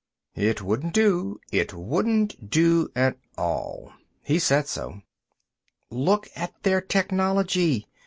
It wouldn't do. It wouldn't do at all. He said so. "Look at their technology.